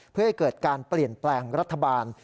เพื่อให้เกิดการเปลี่ยนแปลงรัฐบาล